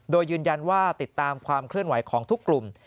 โดยยืนยันว่าติดตามความเคลื่อนไหวของทุกกลุ่ม